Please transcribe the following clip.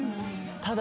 ただ。